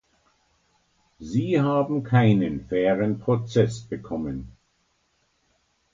Sie haben keinen fairen Prozess bekommen.